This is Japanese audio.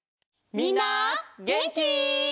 みんなげんき？